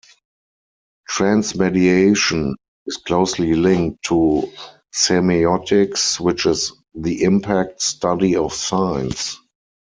Transmediation is closely linked to semiotics, which is the impact study of signs.